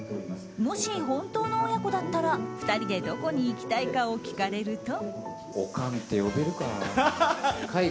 もし、本当の親子だったら２人でどこに行きたいかを聞かれると。